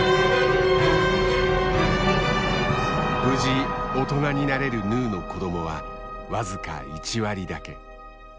無事大人になれるヌーの子どもは僅か１割だけ。